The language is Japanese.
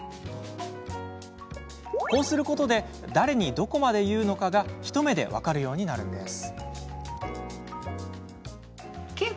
こうすることで誰にどこまで言うのかが一目で分かるようになるんです。